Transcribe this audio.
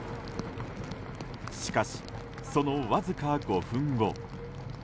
しかし、そのわずか５分後。